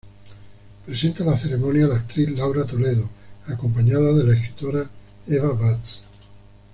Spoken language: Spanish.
Presenta la ceremonia la actriz Laura Toledo acompañada de la escritora Eva Vaz.